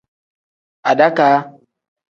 Adakaa.